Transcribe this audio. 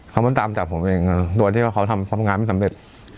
เขามันตามจับผมเองตัวที่เขาเขาทำความงานไม่สำเร็จ